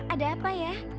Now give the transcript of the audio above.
ada apa ya